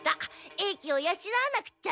英気をやしなわなくっちゃ」